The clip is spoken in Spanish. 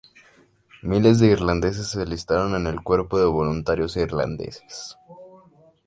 Miles de irlandeses se alistaron en el cuerpo de Voluntarios Irlandeses.